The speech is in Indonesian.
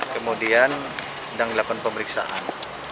kemudian sedang dilakukan pemeriksaan